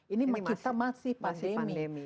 ini kita masih pandemi